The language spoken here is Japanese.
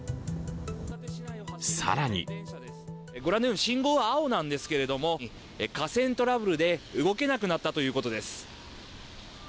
更にご覧のように信号は青なんですけれども架線トラブルで動けなくなったということです。